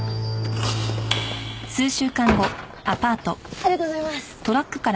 ありがとうございます。